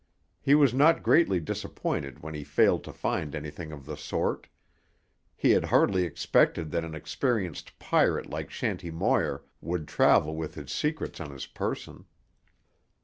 He was not greatly disappointed when he failed to find anything of the sort; he had hardly expected that an experienced pirate like Shanty Moir would travel with his secrets on his person.